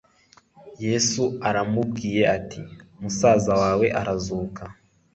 yesu yaramubwiye ati “ musaza wawe arazuka